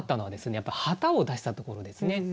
やっぱ旗を出したところですね。